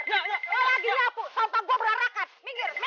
nyalah gila aku sumpah gue berharakan